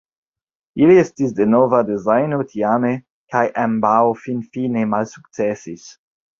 Ili estis de nova dezajno tiame kaj ambaŭ finfine malsukcesis.